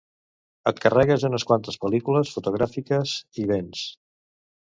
Et carregues unes quantes pel·lícules fotogràfiques i vents.